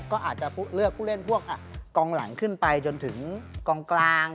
ก็อาจจะเลือกผู้เล่นพวกกองหลังขึ้นไปจนถึงกองกลาง